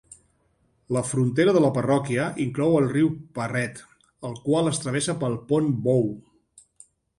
La frontera de la parròquia inclou el riu Parret, el qual es travessa pel pont Bow.